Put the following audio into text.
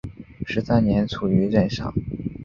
十三年卒于任上。